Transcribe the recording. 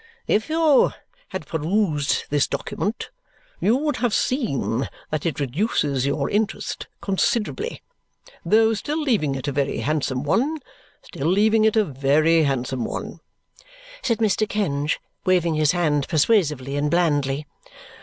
If you had perused this document, you would have seen that it reduces your interest considerably, though still leaving it a very handsome one, still leaving it a very handsome one," said Mr. Kenge, waving his hand persuasively and blandly.